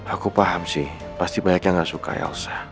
aku paham sih pasti banyak yang gak suka elsa